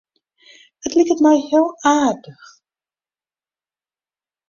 It liket my heel aardich.